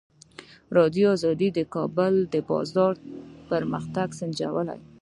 ازادي راډیو د د کار بازار پرمختګ سنجولی.